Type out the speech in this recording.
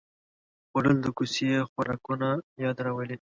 خوړل د کوڅې خوراکونو یاد راولي